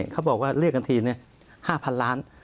เขาบอกว่าเรียกกันที๕๐๐๐ล้าน